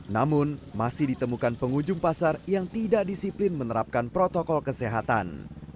namun masih ditemukan pengunjung pasar yang tidak disiplin menerapkan protokol kesehatan